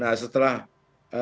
dan juga dianggap sebagai perempuan